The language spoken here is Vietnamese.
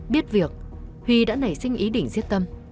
biết việc huy đã nảy sinh ý định giết tâm